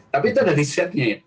tapi itu ada risetnya ya